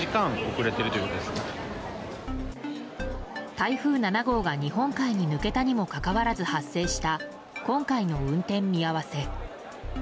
台風７号が日本海に抜けたにもかかわらず発生した、今回の運転見合わせ。